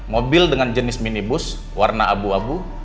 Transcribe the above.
mobil dengan jenis minibus warna abu abu